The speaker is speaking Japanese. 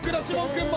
君も。